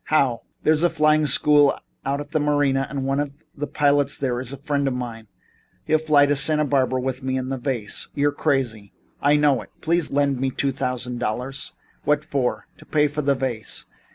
"How?" "There's a flying school out at the Marina and one of the pilots there is a friend of mine. He'll fly to Santa Barbara with me and the vase." "You're crazy." "I know it. Please lend me two thousand dollars." "What for?" "To pay for the vase."